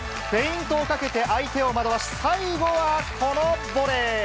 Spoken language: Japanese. フェイントをかけて、相手を惑わし、最後はこのボレー。